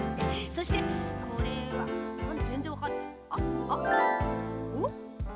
そしてこれはぜんぜんわかんない。